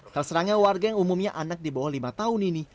terserangnya warga yang umumnya anak di bawah lima tahun ini